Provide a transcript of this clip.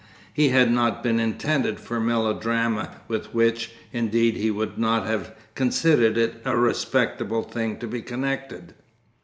He had not been intended for melodrama, with which, indeed, he would not have considered it a respectable thing to be connected.